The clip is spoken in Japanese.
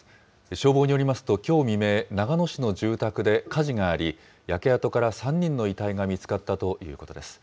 消防によりますと、きょう未明、長野市の住宅で火事があり、焼け跡から３人の遺体が見つかったということです。